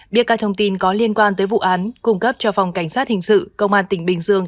biết các thông tin có liên quan tới vụ án cung cấp cho phòng cảnh sát hình sự công an tỉnh bình dương